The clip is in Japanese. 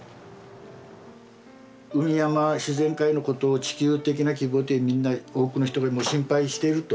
海山自然界のことを地球的な規模でみんな多くの人が心配していると。